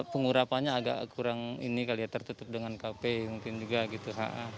pengurapannya agak kurang ini kali ya tertutup dengan kafe mungkin juga gitu